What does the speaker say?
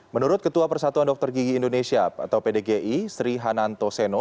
menurut ketua persatuan dokter gigi indonesia atau pdgi sri hananto seno